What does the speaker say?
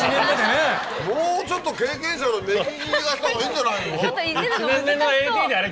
もうちょっと経験者の目利き行かせたほうがいいんじゃないの？